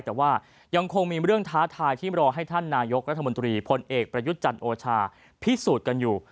แต่ว่ายังคงมีเรื่องท้าทายที่รอให้ท่านนายกรัฐมนตรีพลเอกประยุทธ์จันทร์โอชาพิสูจน์กันอยู่